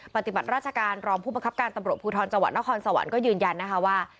ปฏิบัติราชการรองผู้บังคับการตำรวจภูทรจังหวัดนครสวรรค์ก็ยืนยันนะคะว่า